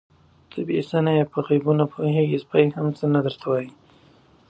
_ته بې څه نه يې، په غيبو پوهېږې، سپی هم څه نه درته وايي.